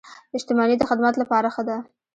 • شتمني د خدمت لپاره ښه ده.